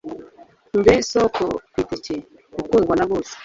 mbe soko ku iteke, ukundwa na bose